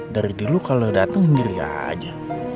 dari dulu kalau datang sendiri aja